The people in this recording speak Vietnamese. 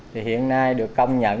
thì hiện nay được công nhận